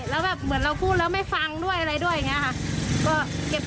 แล้วแบบเหมือนเราพูดแล้วไม่ฟังด้วยอะไรด้วยอย่างนี้ค่ะ